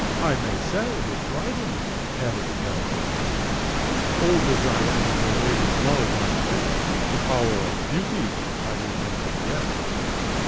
"I may say with Dryden," added the gallant old gentleman: "'Old as I am, for ladies' love unfit, The power of beauty I remember yet.